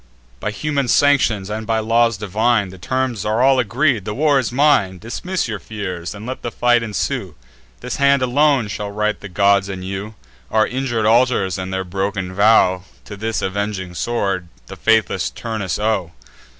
By human sanctions, and by laws divine, The terms are all agreed; the war is mine. Dismiss your fears, and let the fight ensue; This hand alone shall right the gods and you: Our injur'd altars, and their broken vow, To this avenging sword the faithless Turnus owe."